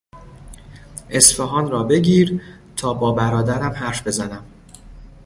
اصفهان را بگیر تا با برادرم حرف بزنم!